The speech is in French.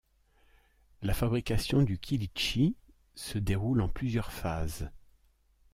La fabrication du kilichi se déroule en plusieurs phases.